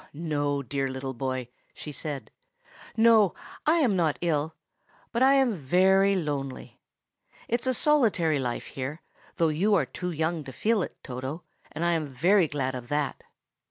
"No, dear little boy!" she said. "No, I am not ill; but I am very lonely. It's a solitary life here, though you are too young to feel it, Toto, and I am very glad of that.